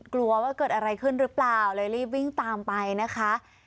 กลัวว่าเกิดอะไรขึ้นหรือเปล่าเลยรีบวิ่งตามไปนะคะ